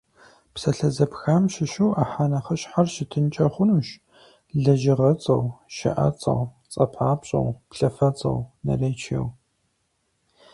Псалъэ зэпхам щыщу ӏыхьэ нэхъыщхьэр щытынкӏэ хъунущ лэжьыгъэцӏэу, щыӏэцӏэу, цӏэпапщӏэу, плъыфэцӏэу, наречиеу.